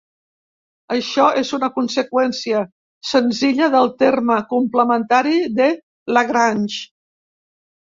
Això és una conseqüència senzilla del terme complementari de Lagrange.